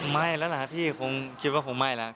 ไม่แล้วหรอฮะพี่คงคิดว่าผมไม่แล้ว